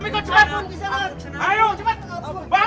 kami ke cepat